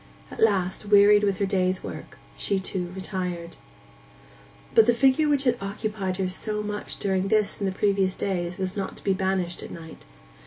At last, wearied with her day's work, she too retired. But the figure which had occupied her so much during this and the previous days was not to be banished at night.